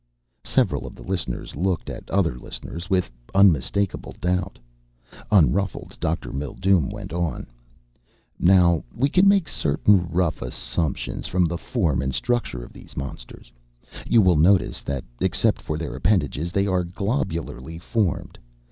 Several of the listeners looked at other listeners with unmistakable doubt. Unruffled, Dr. Mildume went on, "Now, we can make certain rough assumptions from the form and structure of these monsters. You will notice that except for their appendages they are globularly formed.